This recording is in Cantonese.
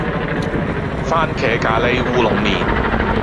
番茄咖哩烏龍麵